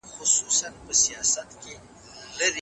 باور څنګه ساتل کیږي؟